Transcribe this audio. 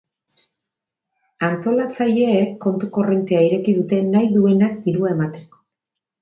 Antolatzaileek kontu korrontea ireki dute nahi duenak dirua emateko.